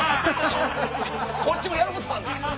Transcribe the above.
こっちもやることあんねん。